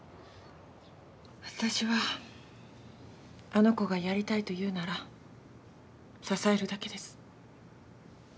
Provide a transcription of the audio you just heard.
私は、あの子がやりたいと言うなら支えるだけです。